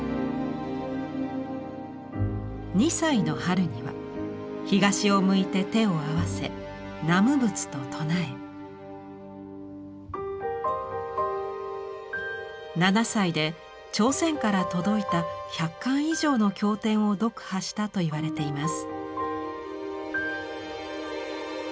２歳の春には東を向いて手を合わせ南無仏と唱え７歳で朝鮮から届いた１００巻以上の経典を読破したといわれています。